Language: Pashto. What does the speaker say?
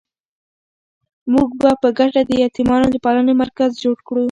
موږ به په ګډه د یتیمانو د پالنې مرکز جوړ کړو.